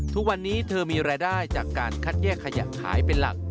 ทุกวันนี้เธอมีรายได้จากการคัดแยกขยะขายเป็นหลัก